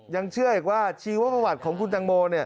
ยังเชื่ออีกว่าชีวภาวะของคุณแตงโม